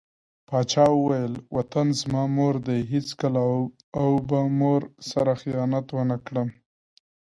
پاچا وويل: وطن زما مور دى هېڅکله او به مور سره خيانت ونه کړم .